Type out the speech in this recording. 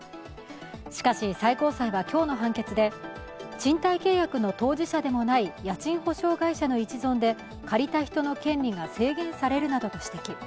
しかし、最高裁は今日の判決で、賃貸契約の当事者でもない家賃保証会社の一存で借りた人の権利が制限されるなどと指摘。